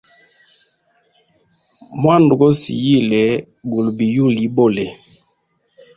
Mwanda go siyile, guli bi yula ibole.